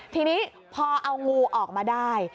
ทีนี้พอเอางูออกมาได้